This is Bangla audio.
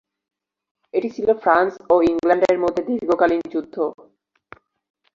এটি ছিল ফ্রান্স ও ইংল্যান্ডের মধ্যে দীর্ঘকালীন যুদ্ধ।